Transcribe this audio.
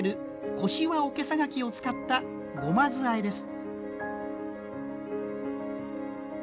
越王おけさ柿を使ったごま酢あえです。